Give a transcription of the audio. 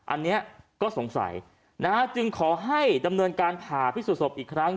อันนี้ก็สงสัยนะฮะจึงขอให้ดำเนินการผ่าพิสูจนศพอีกครั้ง